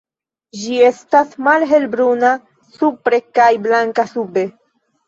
Ĝi estas malhelbruna supre kaj blanka sube.